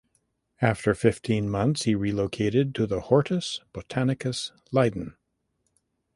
After fifteen months he relocated to the Hortus Botanicus Leiden.